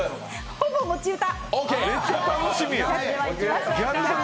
ほぼ持ち歌！